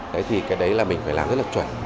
thế thì cái đấy là mình phải làm rất là chuẩn